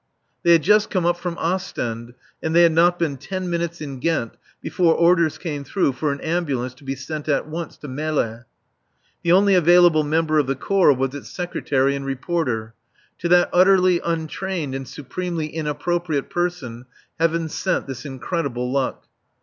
They had just come up from Ostend, and they had not been ten minutes in Ghent before orders came through for an ambulance to be sent at once to Melle. The only available member of the Corps was its Secretary and Reporter. To that utterly untrained and supremely inappropriate person Heaven sent this incredible luck.